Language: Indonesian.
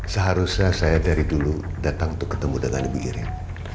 seharusnya saya dari dulu datang untuk ketemu dengan ibu yerin